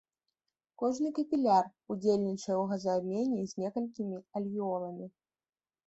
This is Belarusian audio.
Кожны капіляр удзельнічае ў газаабмене з некалькімі альвеоламі.